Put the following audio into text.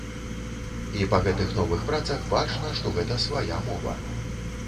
І па гэтых новых працах бачна, што гэта свая мова.